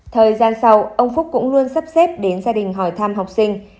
thời gian sau ông phúc cũng luôn sắp xếp đến gia đình hỏi thăm học sinh